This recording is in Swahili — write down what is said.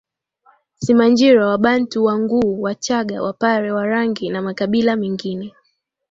Simanjiro Wabantu Wanguu Wachagga Wapare Warangi na makabila mengine